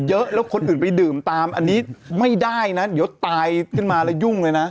เยอะแล้วคนอื่นไปดื่มตามอันนี้ไม่ได้นะเดี๋ยวตายขึ้นมาแล้วยุ่งเลยนะ